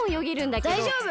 だいじょうぶ！